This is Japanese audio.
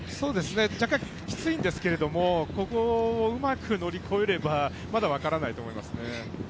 きついんですけれどもここをうまく乗り越えればまだ分からないと思いますね。